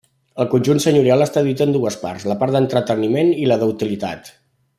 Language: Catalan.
El conjunt senyorial està dividit en dues parts, la part d'entreteniment i la d'utilitat.